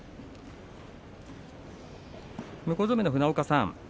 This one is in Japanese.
向正面の船岡さん